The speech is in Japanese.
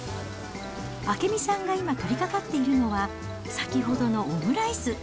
明美さんが今取りかかっているのは、先ほどのオムライス。